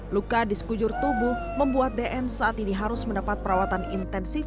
luka di sekujur tubuh membuat dn saat ini harus mendapat perawatan intensif